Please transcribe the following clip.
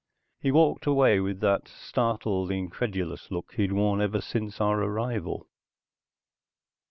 He walked away with that startled, incredulous look he'd worn ever since our arrival.